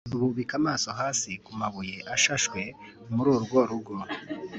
bubika amaso hasi ku mabuye ashashwe muru rwo rugo